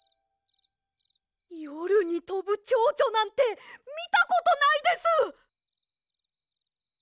よるにとぶチョウチョなんてみたことないです！